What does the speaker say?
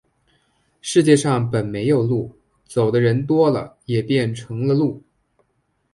世上本没有路，走的人多了，也便成了路。